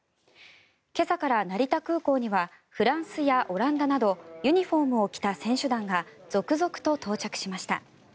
今朝から成田空港にはフランスやオランダなどユニホームを着た選手団が続々と到着しました。